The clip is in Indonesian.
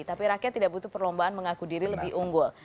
tapi rakyat tidak butuh perlombaan mengaku diri lebih unggul